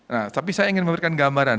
nah tapi saya ingin memberikan gambaran